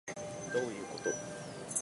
どういうこと